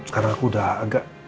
karena aku udah agak